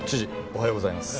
おはようございます。